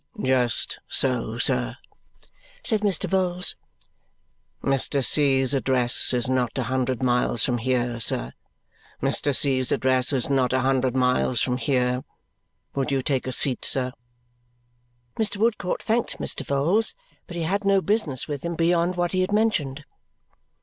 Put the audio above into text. "Just so, sir," said Mr. Vholes. "Mr. C.'s address is not a hundred miles from here, sir, Mr. C.'s address is not a hundred miles from here. Would you take a seat, sir?" Mr. Woodcourt thanked Mr. Vholes, but he had no business with him beyond what he had mentioned.